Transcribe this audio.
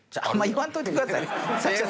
あんま言わんといてください。